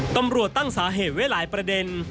ตำรวจตั้งสาเหตุไว้หลายประเด็น